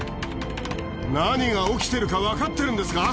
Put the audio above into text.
何が起きてるか分かってるんですか？